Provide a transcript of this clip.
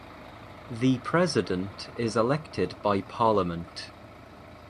The president is elected by parliament.